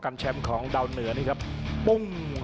อัศวินาศาสตร์